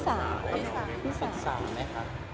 ศึกษาไหมครับ